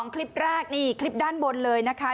คลิปแรกนี่คลิปด้านบนเลยนะคะ